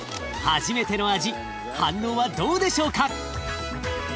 初めての味反応はどうでしょうか？